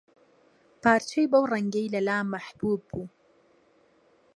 پارچەی بەو ڕەنگەی لەلا مەحبووب بوو